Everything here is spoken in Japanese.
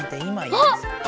あっ！